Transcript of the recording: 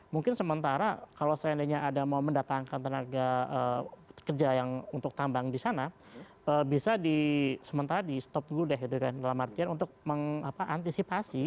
mungkin sementara kalau seandainya ada mau mendatangkan tenaga kerja yang untuk tambang di sana bisa di sementara di stop dulu deh dalam artian untuk mengantisipasi